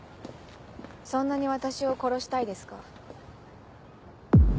そんなに私を殺したいですか？